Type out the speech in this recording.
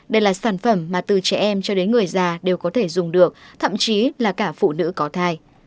đây là sản phẩm mà từ trẻ em cho đến người già đều có thể dùng được thậm chí là cả phụ nữ có thai